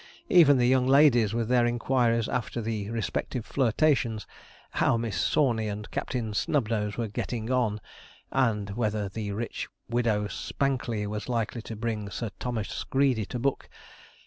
Even the young ladies, with their inquiries after the respective flirtations how Miss Sawney and Captain Snubnose were 'getting on'? and whether the rich Widow Spankley was likely to bring Sir Thomas Greedey to book?